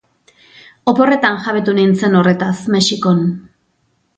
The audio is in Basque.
Oporretan jabetu nintzen horretaz, Mexikon.